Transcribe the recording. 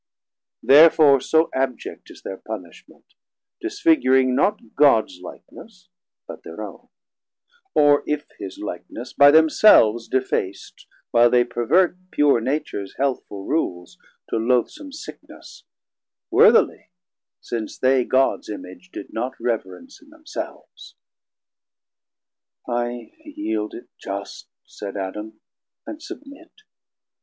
Therefore so abject is thir punishment, Disfiguring not Gods likeness, but thir own, Or if his likeness, by themselves defac't While they pervert pure Natures healthful rules 520 To loathsom sickness, worthily, since they Gods Image did not reverence in themselves. I yeild it just, said Adam, and submit.